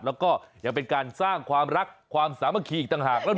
แล้วก็ยังเป็นการสร้างความรักความสามารถกิ่งอีกจากภาพ